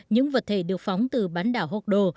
những vật thể được phóng từ bán đảo học đồ